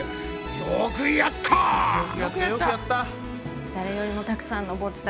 よくやった！